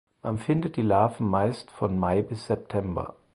Man findet die Larven meist von Mai bis September.